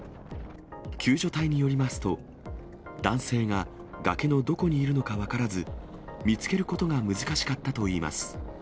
救助隊によりますと、男性が崖のどこにいるのか分からず、見つけることが難しかったといいます。